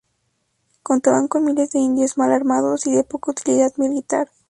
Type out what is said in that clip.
Contaban con miles de indios mal armados y de poca utilidad militar.